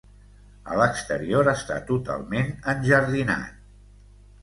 A l'exterior està totalment enjardinat.